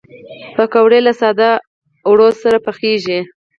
پکورې له ساده آردو پخېږي